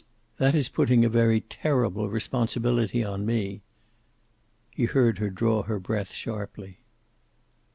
That is putting a very terrible responsibility on me." He heard her draw her breath sharply.